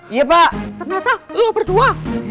ternyata lo berdua